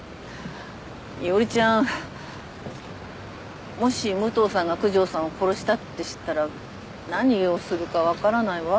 伊織ちゃんもし武藤さんが九条さんを殺したって知ったら何をするか分からないわ。